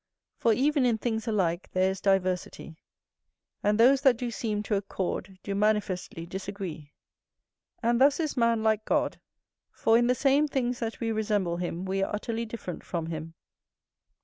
For even in things alike there is diversity; and those that do seem to accord do manifestly disagree. And thus is man like God; for, in the same things that we resemble him we are utterly different from him.